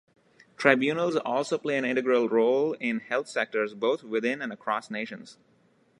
Tribunals also play an integral role in health sectors both within and across nations.